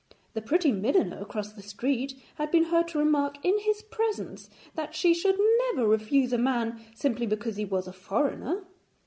The pretty milliner across the street had been heard to remark in his presence that she should never refuse a man simply because he was a foreigner.